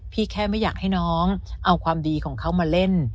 แค่ไม่อยากให้น้องเอาความดีของเขามาเล่น